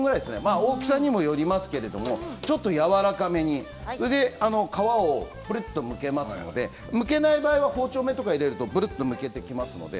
大きさにもよりますけどちょっとやわらかめに。と、皮がつるっとむけますのでむけない場合は包丁の目とかを入れるとむけます。